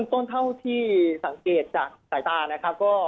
ตอนนี้ยังไม่ได้นะครับ